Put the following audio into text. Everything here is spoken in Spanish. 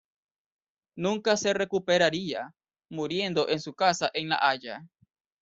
Nunca se recuperaría, muriendo en su casa en La Haya.